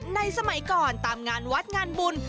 สมัยก่อนตามงานวัดงานบุญ